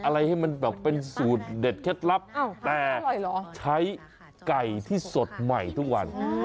อะไรให้มันแบบเป็นสูตรเด็ดเคล็ดลับแต่ใช้ไก่ที่สดใหม่ทุกวัน